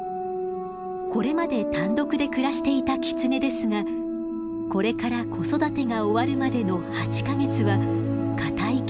これまで単独で暮らしていたキツネですがこれから子育てが終わるまでの８か月は固い絆で結ばれるのです。